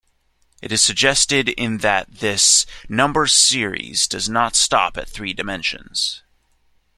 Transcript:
It is suggested in that this number series does not stop at three dimensions.